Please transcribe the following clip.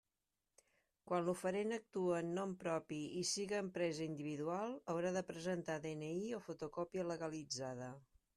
Quan l'oferent actue en nom propi i siga empresa individual, haurà de presentar DNI o fotocòpia legalitzada.